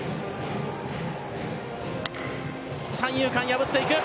三遊間破っていく。